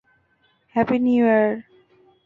Happy new year!